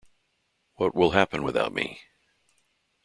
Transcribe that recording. What will happen without me?